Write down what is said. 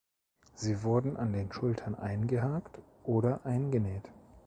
Sie wurden an den Schultern eingehakt oder eingenäht.